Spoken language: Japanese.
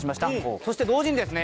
そして同時にですね